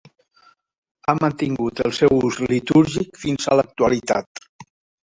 Ha mantingut el seu ús litúrgic fins a l'actualitat.